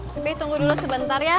lebih tunggu dulu sebentar ya